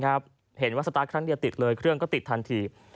เห็นว่าสตาร์ทครั้งเดียวติดเลยเครื่องก็ติดทันที